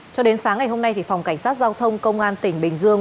cho đến sáng ngày hôm nay phòng cảnh sát giao thông công an tỉnh bình dương